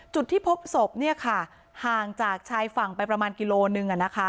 จุดที่พบศพเนี้ยค่ะห่างจากชายฝั่งไปประมาณกิโลหนึ่งอ่ะนะคะ